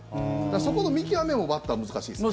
そこの見極めもバッター、難しいですね。